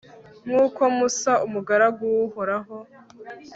nk'uko musa, umugaragu w'uhoraho